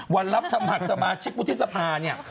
วันรับสมัครสมาชิกบุฏธิษภาเนี่ย